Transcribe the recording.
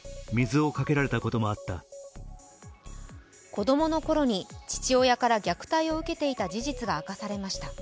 子供のころに父親から虐待を受けていた事実が明かされました。